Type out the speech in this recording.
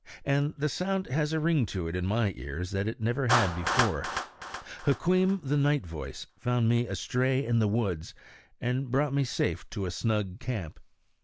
And the sound has a ring to it, in my ears, that it never had before. Hukweem the Night Voice found me astray in the woods, and brought me safe to a snug camp.